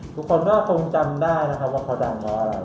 ทุกคนก็คงจำได้นะครับว่าเขาดังเพราะอะไร